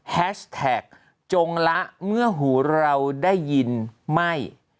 แฮชแท็กจงละเมื่อหูเราได้ยินไม่